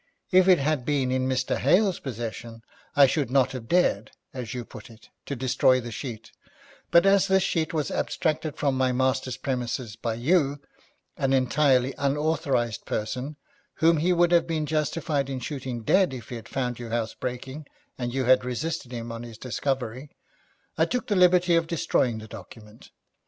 If it had been in Mr. Hale's possession I should not have dared, as you put it, to destroy the sheet, but as this sheet was abstracted from my master's premises by you, an entirely unauthorised person, whom he would have been justified in shooting dead if he had found you housebreaking and you had resisted him on his discovery, I took the liberty of destroying the document.